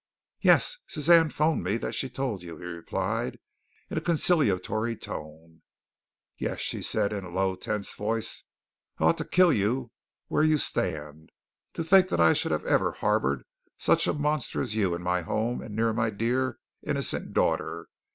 "Yes, Suzanne phoned me that she told you," he replied, in a conciliatory tone. "Yes," she said in a low, tense voice, "and I ought to kill you where you stand. To think that I should have ever harbored such a monster as you in my home and near my dear, innocent daughter.